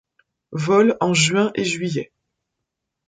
Vol en juin et juillet.